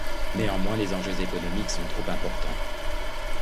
Néanmoins, les enjeux économiques sont trop importants.